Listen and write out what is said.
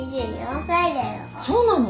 そうなの？